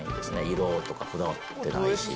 色とかこだわってないし。